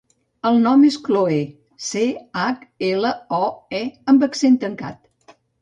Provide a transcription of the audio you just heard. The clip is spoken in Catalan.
El nom és Chloé: ce, hac, ela, o, e amb accent tancat.